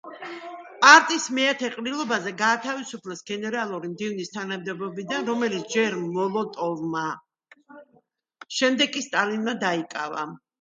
პარტიის მეათე ყრილობაზე გაათავისუფლეს გენერალური მდივნის თანამდებობიდან, რომელიც ჯერ მოლოტოვმა, შემდეგ კი სტალინმა დაიკავა.